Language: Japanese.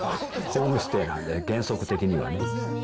ホームステイなんで、原則的にはね。